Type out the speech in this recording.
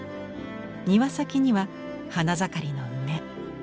庭先には花盛りの梅。